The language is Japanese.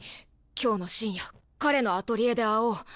今日の深夜彼のアトリエで会おう。